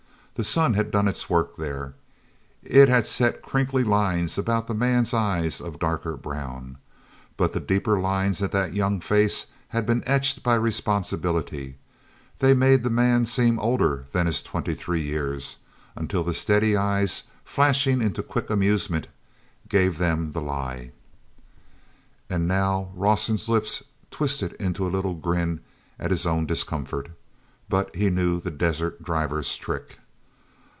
The sun had done its work there; it had set crinkly lines about the man's eyes of darker brown. But the deeper lines in that young face had been etched by responsibility; they made the man seem older than his twenty three years, until the steady eyes, flashing into quick amusement, gave them the lie. And now Rawson's lips twisted into a little grin at his own discomfort—but he knew the desert driver's trick.